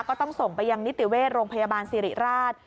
ก็ต้องส่งไปยังนิติเวชโรงพยาบาลสิริราช